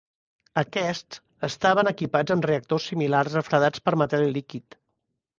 Aquests estaven equipats amb reactors similars refredats per metall líquid.